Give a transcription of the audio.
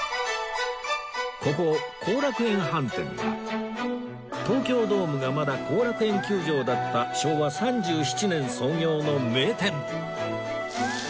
ここ後楽園飯店は東京ドームがまだ後楽園球場だった昭和３７年創業の名店